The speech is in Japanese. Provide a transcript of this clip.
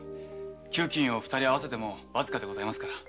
給金を二人合わせてもわずかでございますから。